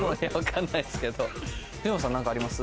藤本さん何かあります？